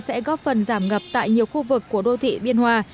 sẽ góp phần giảm ngập tại nhiều khu vực của đô thị biên hòa